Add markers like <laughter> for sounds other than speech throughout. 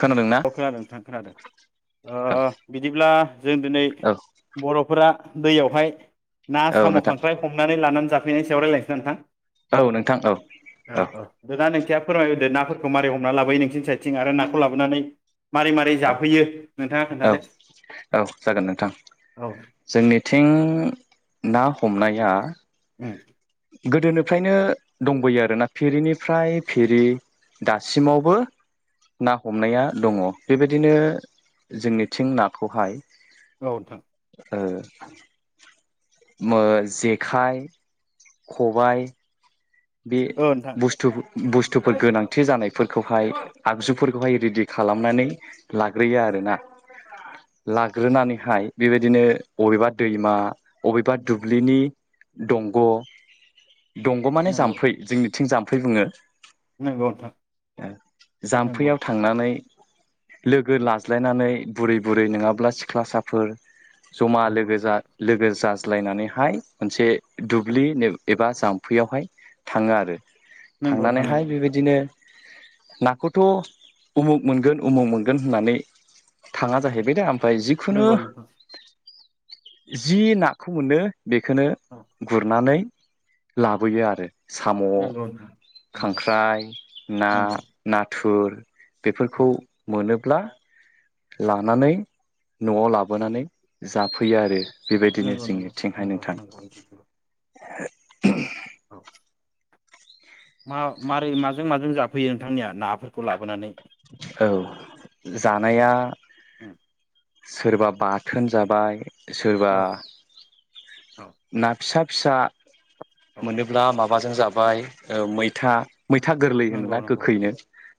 खोनादोंना खोनादों थां खोनादों बिदिब्ला जों दिनै औ औ बर'फोरा दैयावहाय ना औ साम' नोंथां खांख्राइ हमनानै लानानै जाफैनायनि सायाव रायलायनोसैना नोंथां औ नोंथां औ औ फोरमायगोरदो नाफोरखौ मारै हमना लाबोयो नोंसिनसाय थिं आरो नाखौ लाबोनानै मारै मारै जाफैयो नोंथाङा औ खोन्थादो औ जागोन नोंथां औ जोंनिथिं ना उम हमनाया उम गोदोनिफ्रायनो दंबोयो आर ना फिरिनिफ्राय फिरि दासिमावबो ना हमनाया दङ बेबादिनो जोंनिथिं नाखौहाय औ नोंथां ओ मो जेखाइ, खबाय बे औ नोंथां बुसथु बुस्थुफोर गोनांथि जानायफोरखौहाय आगजुफोर खौहाय रेदि खालामनानै लाग्रोयो आरोना। लाग्रोनानैहाय बेबायदिनो अबेबा दैमा अबेबा दुब्लिनि दंग' दंग' माने जाम नंगौ जोंनिथिं जाम्फै बुङो। नंगौ नोंथां ओ नंगौ जाम्फैयाव थांनानै लोगो लाज्लायनानै बुरि बुरै नोङाब्ला सिख्लासाफोर जमा नंगौ नोंथां लोगोजा लोगोजास ग्लाय नानैहाय मोनसे दुब्लि नो‌ एबा जाम्फैयावहाय थाङो आरो। नंगौ थांनानैहाय नोंथां बे बायदिनो नाखौथ' अबाव मोनगोन अबाव मोनगोन होननानै थाङा जाहैबाय दा फाय जिखुनु नंगौ नंगौ नोंथां जि नाखौ मोनो बेखोनो औ गुरनानै लाबोयो आरो। साम', नंगौ नोंथां नंगौ खांख्राइ, ना, नंगौ नाथुर गुर औ बेफोरखौ मोनो। ब्ला लानानै न'आव लाबोनानै जाफैयो आरो। बे बायदिनो नंगौ नंगौ जोंनिथिंहाय नंगौ नंगौ नोंथां। नंगौ <unintelligible> औ मा मारै माजों माजों जाफैयो नोंथांनिया नाफोरखौ लाबोनानै? औ जानाया उम सोरबा बाथोन जाबाय। सोरबा औ औ ना फिसा फिसा मोनोब्ला माब बाजों जाबाय ओ मैथा मैथा गोरलै नंगौ होनोना नंगौ गोखैनो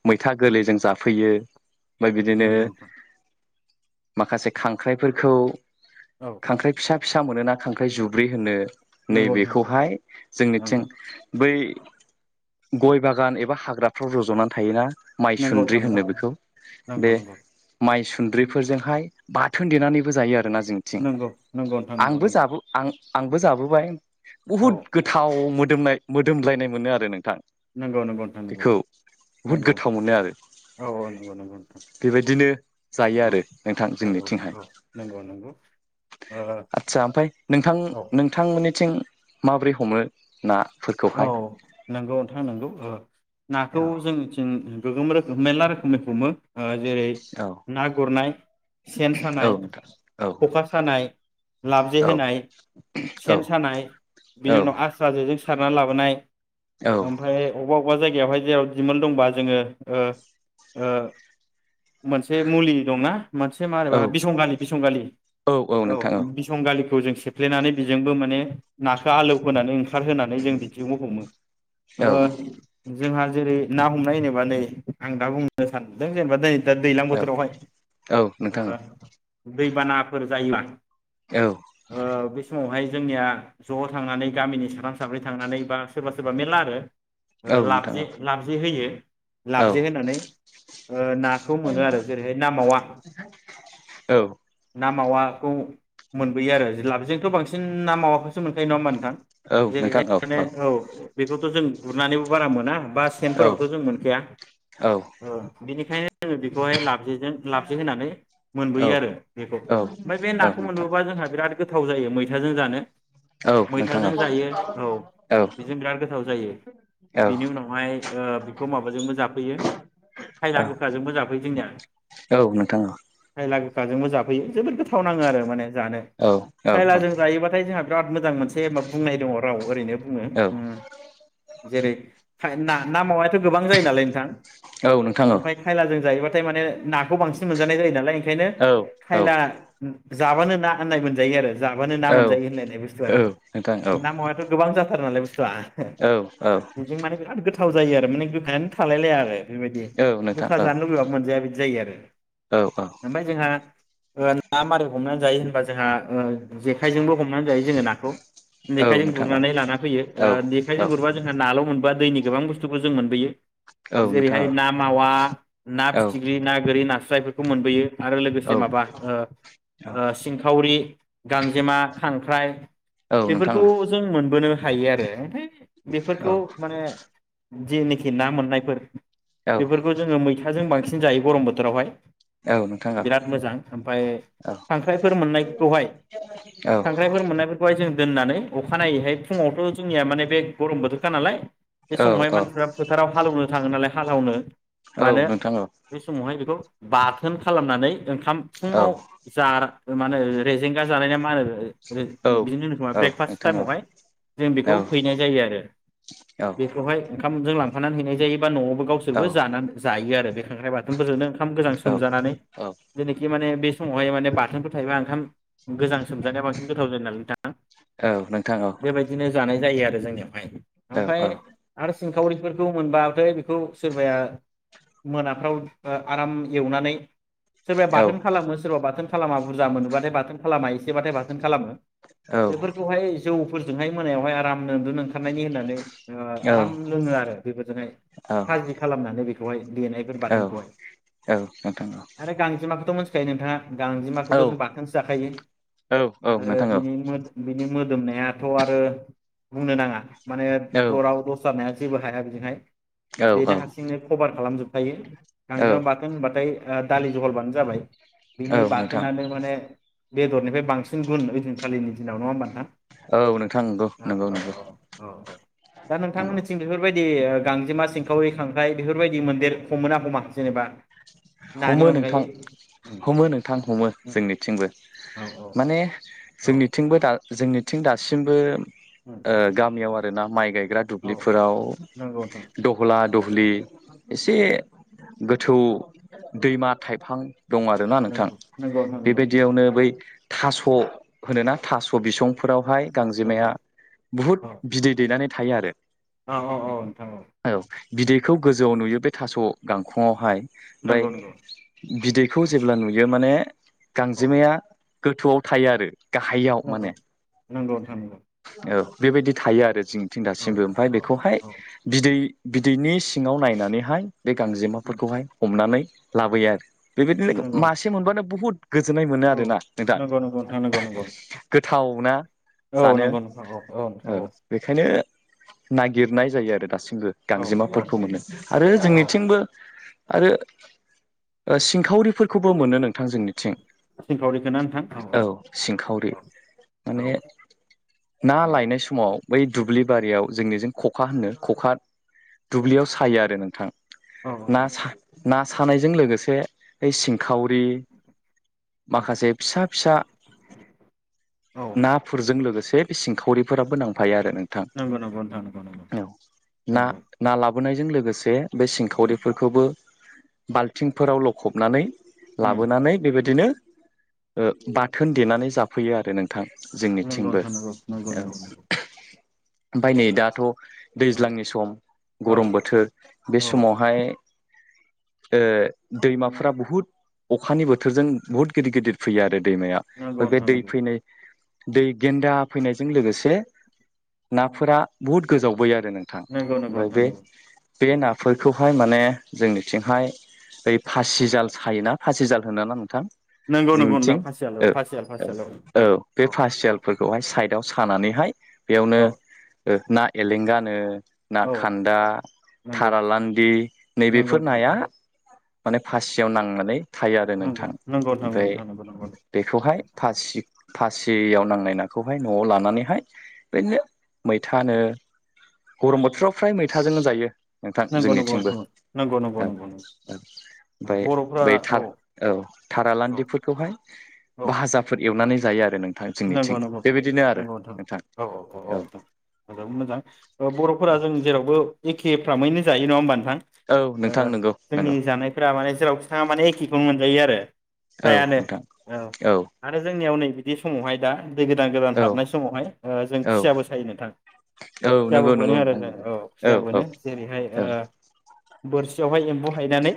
मैथा गोरलैजों जाफैयो। ओमफ्राय बिदिनो। नंगौ नोंथां माखासे खांख्राइफोरखौ औ खांख्राइ फिसा फिसा मोनोना खांख्राइ जुब्रै होनो। नंगौ नोंथां नंगौ नैबेखौहाय जोंनिथिं नंगौ बै गय बागान एबा हाग्राफ्राव रज'नानै थायोना माइ नंगौ सुन्द्रि नोंथां नंगौ होनो बेखौ नंगौ बे नंगौ माइ सुन्द्रिफोरजोंहाय बाथोन देनानैबो जायो आरो। आरोना जोंथिं नंगौ नंगौ नोंथां नंगौ आंबो जाबो आं आंबो जाबोबाय। बहुत औ गोथाव मोदोमनाय मोदोमलायनाय मोनो आरो नोंथां। नंगौ नंगौ नोंथां नगौ बेखौ बुहुद नंगौ गोथाव मोनो आरो औ औ नंगौ नंगौ नोंथां बे बादिनो जायो औ आरो नोंथां नंगौ जोंनिथिंहाय औ नंगौ नंगौ ओ आथसा नोंथां औ नोंथांमोननि मिथिं माबोरै हमो ना औ नंगौ नोंथाङा नंगौ औ नाखौ औ जोंनिथिं गोगोम रोखोम मेरला रोखोमनि हमो। जेरै औ ना गुरनाय सेन औ सानाय नोंथां औ खखा सानाय लाबजे औ होनाय सेन सानाय औ बिनि उनाव आस्रा जेजों सारना लाबोनाय औ ओमफ्राय अबेबा अबाव अबेबा जायगायावहाय जेराव दिमोल दंबा जोङो मोनसे मुलि दंना मोनसे माबा बिसंगालि बिसंगालि औ बिसंगालिखौ जों सेफ्लेनानै बेजोंबो माने नाखौ आलौ होनोनानै ओंखार होनोनांग नानै जों बिथिखौ हमो। औ अओ जोंहा जेरै ना हमनाय होनोबा नै आं दा बुंनो सानदों जेनेबा दिनै दा दैज्लां औ बोथोरावहाय औ नोंथां दैबानाफोर जायोबा औ औ बेसमावहाय समावहाय जोंनिया ज' थांनानै गामिनि साथ साब्रै थांनानै बा सोरबा सोरबा मेरला आरो औ लाबजे नोंथां लाबजे होयो औ लाबजे होनानै नाखौ मोनो आरो जेरैहाय नामावा औ नोंथां औ औ मावाखौ मोनबोयो आरो जि लाबजोंथ' बांसिन ना मावाखौसो मोनखायो नङा होमा नोंथां। औ नोंथां जेरैहाय औ माने औ बेखौथ' जों गुरनानैबो बारा मोना। बा सेनफोरावथ' जों मोनखाया औ नोंथां औ नोंथां औ नोंथां औ नोंथां औ नोंथां औ बेनिखायनो जोङो बेखौहाय लाबजेजों लाबजे होनानै नोंथां मोनबोयो औ आरो बेखौ ओमफ्राय बे नाखौ मोनबोबा जोंहा बिराद गोथाव जायो मै मैथाजों जानो औ नोंथाङा मैथाजों जायो औ बेजों बिराद गोथाव जायो बेनि उनावहाय बेखौ माबाजोंबो जाफैयो खायला गोखाजोंबो जाफैयो जोंनिया खायला गो गोखा जोंबो जाफैयो जोबोद गोथांव। गोथावनाङो आरो माने जानो खायला जों जायोबाथाय जोंहा बिराद मोजां मोनसे मा बुंनाय दङ। फाव ओरैनो बुंगोन जेरै ना गोबां जायो नालाय नोंथां ओमफ्राय खायलाजों जायोबा थाय माने नाखौ बांसिन मोनजानाय जायो नालाय ओखायनो खायला जाबानो ना आननाय मोनजायो आरो जाबानो ना मोनजायो होनलायनाय बुस्थुआनो ना मावा बां जाथारो नालाय बुस ब्ला बिदि माने बिराद गोथ थाव जायो आरो माने गोखा थालायलाया आरो बेबायदि गोखा जानो लुुबैबा मोनजाया बिदि जायो आरो ओमफाय जोंहा ओ ना मारै हमनानै जायो होनबा जोंहा जेखाइजोंबो हमनानै जायो जोङो नाखौ जेखाइजों। गुरनानै लाना फैयो जेखाइजों गुरबा जोंहा नाल' मोन। बा दैनि गोबां बुस्थुबो जों मोनबोयो। जेरैहाय ना मावा ना फिथिग्रि ना गोरि नास जायफोरखौ मोनबोयो आरो लोगोसे औ माबा ओ औ ओ सिंखावरि। गांजेमा खांख्राइ औ नोंथां बेफोरखौ औ। जों मोनबोनो हायो आरो ओमफाय औ बेफोरखौ माने जेनोखि ना मोननायफोर औ बेफोरखौ जोङो मैथाजों बांसिन सिन जायो गरम बोथोरावहाय। औ नोंथां औ बिराद मोजां, ओमफाय औ खांख्रायफोर मोननायखौहाय औ खांख्रायफोर मोननायफोरखौहाय जों- दोननानै अखानायैहाय फुङावथ' जोंनिया माने बे गरम बोथोरखा नालाय। बे औ समावहाय औ मानसिफ्रा फोथाराव हालौनो थाङो नालाय। हालावनो औ मानो नोंथां औ बै समावहाय बेखौ। बाथोन खालामनानै ओंख थाम औ फुङाव जार मा होनो रेजेंगा जानाय ना मा होनो? औ बिदिनो होनोखोमा औ नोंथां औ ब्रेकफास्थ नोंथां औ टाइमावहाय जों औ बेखौ हैनाय जायो आरो । बेखौहाय खाम जों लांफानानै हैनाय जायो। बा न'आवाबो गावसोरबो जायो आरो, बे खांख्राइ बाथोनफोरजोंनो ओंखाम गोजां औ सोमजानानै औ जेरैखि माने बे समावहाय माने बाथोनफोर थायोबा ओंखाम गोजां सोमजानाया बांसिन गोथाव जायो नालाय नोंथां। औ नोंथां औ नोंथां औ बेबायदिनो जानाय जायो आरो। बे जोंनियावहाय। ओमफ्राय आरो सिंखावरिफोरखौ मोनबाथाय बेखौ सोरबाया मोनाफ्राव आराम एवनानै। सोरबाया औ बाथोन खालामो सोरबा बाथोन। खालामा बुरजा मोनोबाथाय बाथोन खालामा एसेबाथाय बाथोन खालामो। औ। जौ फोरजोंहाय मोनायावहाय आरामनो उन्दुनो ओंखारनायनि होननानै। आराम नोंथां लोङो आरो बेफोरजोंहाय, खाजि खालामनानै बेखौ <unintelligible> देनायफोर औ बाथोनखौहाय, आरो गांजेमाखौथ' मो नथिखायो नोंथाङा। गांजेमाखौथ' जों बाथोनसो जाखायो, आरो बिनि मो दोमनायाथ' आरो बुंनो नाङा। माने दराव दसरा नाया जेबो हाया बिजोंहाय बेनो हारसिंनो कभार खालामजोब थायो गांजेमा बाथोन होनबाथाय ओ दालि जहलबानो जाबाय बिनि नोंथां बाथोनानो माने बेदरनिफ्राय बांसिन गुन ओइदिन खालिनि दिनाव नंङा होनबा नोंथां औ नोंथां औ औ औ नंगौ-नंगौ-नंगौ-नंगौ दे गांजेमा सिंखावरि खांख्राइ बेफोरबायदि मोनदेर हमोना हमा जेनेबा नानि हमो नोंथां अनगायै उम हमो नोंथां हमो उम जोंनिथिंबो औ औ माने औ जोंनिथिंबो दा जोंनिथिं दासिमबो उम ओ गामियाव आरो ना माइ गाय ग्रा औ दुब्लिफोराव नंगौ नोंथां दहला दुब्लि एसे गोथ थौ दैमा थाइफां दं आरोना नोंथां नंगौ नंगौ नोंथां बेबायदियावनो बै थास' होनोना थास' बिसंफोरावहाय गांजेमाया नंगौ नंगौ बुहुत औ बिदै दैनानै थायो आरो औ औ औ नोंथां औ बिदैखौ गोजौआव नुयो बे थास' गांखं फुंङावहाय ओमफाय नंगौ नंगौ बिदै खौ जेब्ला नुयो माने औ गांजेमाया गोथौआव थायो आरो गाहाययाव नंगौ माने नंगौ नोंथां नंगौ औ बेबायदि थायो आरो जों थिं औ दासिमबो ओमफ्राय औ बेखौहाय औ बिदै बिदैनि सिङाव नायनानैहाय बे गांजे उम फोरखौहाय हमनानै लाबोयो आरो बेबादिनो नंगौ मासे मोनबानो बुहुद गोजोन्नाय मोनो औ आरोना नोंथां नंगौ नंगौ नोंथां नंगौ नंगौ गोथाव ना औ जानो नंगौ नोंथां औ औ नोंथां बेखायनो नागिरनाय जायो आरो दासिम बो औ औ गांजेमाफोरखौ नोंथां मोनो आरो औ जोंनिथिंबो आरोओ सिंखावरिफोरखौबो मोनो नों थां जोंनिथिं सिंखावरिखौ ना नोंथां औ सिंखावरि औ माने ना औ लायनाय समाव बै दुब्लि बारियाव जोंनिजों खखा होनो खखा दुब्लियाव सायो आरो नोंथां औ औ ना औ सा ना सानायजों लोगोसे ओय सिं खावरि औ माखासे फिसा फिसा औ नाफोरजों लोगोसे बे सिंखावरिफोराबो नांफायो आरो नोंथां नोंगौ नोंगौ नोंथां नोंगौ नोंगौ नोंगौ बोनायजों लोगोसे बे सिंखावरि फोरखौबो बाल्थिंफोराव लखबनानै उम लाबोनानै बेबायदिनो ओ बाथोन देनानै जाफैयो आरो नों थां नंगौ जोंनिथिंबो नोंथां नंगौ नंगौ औ नंगौ नंगौ ओमफाय नै दाथ' औ दैज्लांनि सम औ गरम बोथोर बे औ समावहाय ओ दैमाफ्रा बुहुत अखानि बोथोरजों बहुत गिदिर गिदिर फैयो आरो नंगौ दैमायाम बे नोंथां दै नंगौ फैनाय दै गेन्दा फैनायजों लोगोसे नाफोरा बुहुद गोजावबोयो आरो दे नोंथां नंगौ नंगौ ओमफाय नोंथां बे नंगौ बे औ नाफोरखौ हाय मोन माने जोंनिथिंहाय औ खाासिजाल सायोना फासि जाल होनो ना नोंथां नंगौ नंगौ नोंथां जोंथिं फासियाल' औ ओ फासियाल ओ फासियाल' औ बे पासियालफोरखौहाय साइ बेयाव सानानैहाय बेयावनो औ ओ ना एलेंगानो ना औ खान्दा नंगौ थारा लान्दि नै नंगौ बेफोर नोंथां नाया माने फासियाव नांनानै थायो आरो नंगौ नोंथां नंगौ नोंथां ओमफ्राय नोंथां नंगौ नंगौ बेखौहाय फासि फासियाव नांनाय नाखौहाय न'आव लानानैहाय बिदिनो मैथानो गरम बोथोराव फ्राय मैथाजोंनो जायो नोंथां नंगौ नंगौ जोंनिथिंबो औ नंगौ नंगौ औ नंगौ ओमफ्राय बर'फ्रा बै औ औ औ थारालान्दिफोरखौहाय भाजाफोर एवनानै जायो आरो नों नगौ नंगौगौथ औ नोंथां मोजां बर'फोरा औ जों जेरावबो एखे फ्रामैनो जायो नङा होमबा नों थां औ ओ नोंथां नंगौ जोंनि नंगौ जानायफोरा माने जेरावि थाङा मान एखेखौनो मोनजायो आरो औ फ्रायानो नोंथां औ आरो जोंनियाव नै बिदि समावहाय दा दै गोदान गोदान औ हाबनाय समावहाय जों औ खुसियाबो सायो नोंथां औ खुसियाबो नंगौ मोनो नंगौ आरो नोंथां जों नंगौ औ खुसिययाो औ मोनो जेरैहाय औ बोरसियावहाय एम्बौ हायनानै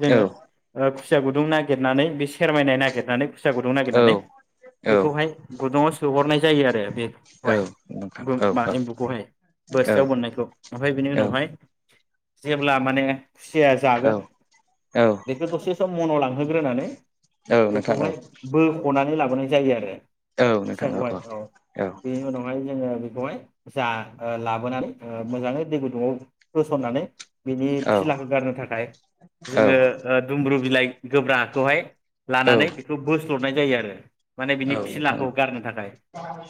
जो औ खुसिया गुदुं नागिरनानै बे सेरमायनाय नागिरनानै फिसा गुदुं नागिरनानै औ बेखौहाय गु दुंङाव सोहरनाय जायो आरो बे औ कौसानी नोंथां य औ मा एम्बुखौहाय बोस्रायाव बोननायखौ ओमफ्राय बिनि उनावहाय औ जेब्ला माने खुसिया जागोन औ औ बेखौ दसे सम मनाव लङो होग्रोनानै औ नोंथां औ बेखौहाय बोख'नानै लाबोनाय जायो आरो फिसाखौहाय औ बेनि उनावहाय जोङो बेखौहाय जा ओ लाबोनानै मोजाङै दै गुदुंङआव होसननानै बिनि औ फिलाखौ गारनो थाखाय औ जोङो दुमब्रु बिलाइ गोब्राखौहाय औ लानानै बेखौ बो स्ल'नाय जायो आरो माने औ बिनि नोंथां फलाखौ गारनो थाखाय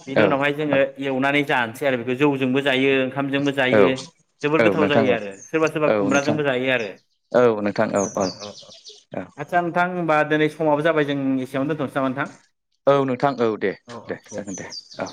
बिनि औ उनावहाय जोङो एवनानै जा सै आरो बेखौ जौजोंबो जायो ओंखाम जोंबो जायो औ जोबोर औ गोथाव नोंथां जायो आरो सोरबा सोरबा औ औ खुमब्रा नोंथां जोंबो जायोआरो औ नोंथां औ अ अ अ आदसा नोंथां होमबा दिनै समाबो जाबाय जों एसेयावनो दोनथनोसै नामा नोंथां? औ नोंथां औ दे दे जागोन दे औ